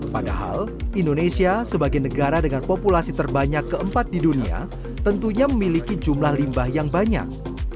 padahal indonesia sebagai negara dengan populasi terbanyak keempat di dunia tentunya memiliki jumlah limbah yang banyak